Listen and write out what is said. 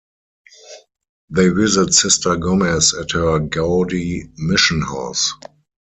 They visit Sister Gomez at her gaudy mission house.